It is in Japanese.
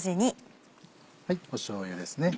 しょうゆですね。